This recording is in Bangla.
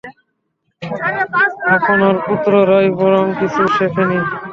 আপনার পুত্ররাই বরং কিছু শেখেনি।